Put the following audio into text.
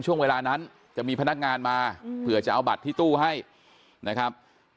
ช่วงเวลานั้นจะมีพนักงานมาเผื่อจะเอาบัตรที่ตู้ให้นะครับ